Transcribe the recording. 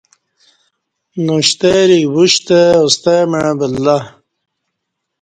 ن شتریک وشتہ ا ستمع ولہّ